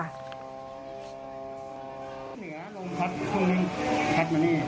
เหนือลมพัดช่วงนี้พัดมานี่